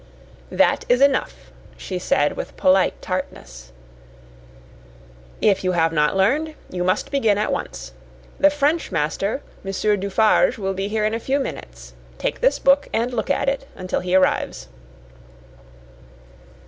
"That is enough," she said with polite tartness. "If you have not learned, you must begin at once. The French master, Monsieur Dufarge, will be here in a few minutes. Take this book and look at it until he arrives."